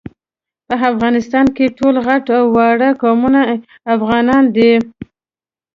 په افغانستان کي ټول غټ او واړه قومونه افغانان دي